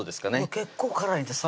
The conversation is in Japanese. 結構辛いんですね